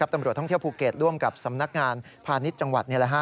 ตำรวจท่องเที่ยวภูเก็ตร่วมกับสำนักงานพาณิชย์จังหวัด